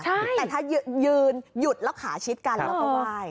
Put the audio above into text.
แต่ถ้ายืนหยุดแล้วขาชิดกันแล้วก็ไหว้